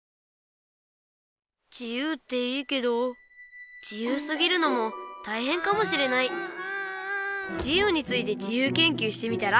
自由っていいけど自由すぎるのもたいへんかもしれない自由について自由研究してみたら？